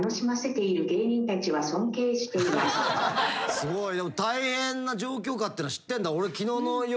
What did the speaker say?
スゴいでも大変な状況下ってのは知ってんだ。